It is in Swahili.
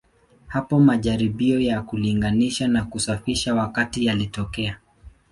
Hapo majaribio ya kulinganisha na kusafisha wakati yalitokea.